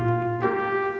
alia gak ada ajak rapat